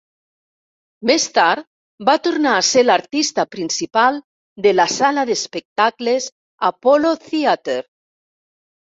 Més tard va tornar a ser l'artista principal de la sala d'espectacles Apollo Theater.